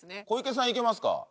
小池さんいけますか？